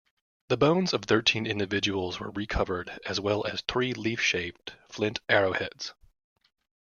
The bones of thirteen individuals were recovered as well as three leaf-shaped flint arrowheads.